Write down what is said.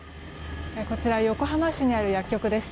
こちら横浜市にある薬局です。